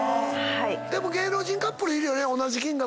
でも芸能人カップルいるよね。